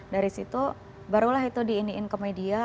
dari situ barulah itu di iniin ke media